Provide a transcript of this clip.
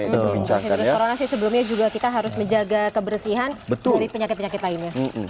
sebelumnya juga kita harus menjaga kebersihan dari penyakit penyakit lainnya